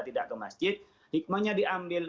tidak ke masjid hikmahnya diambil